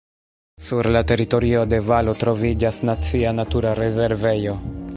Sur la teritorio de valo troviĝas nacia natura rezervejo.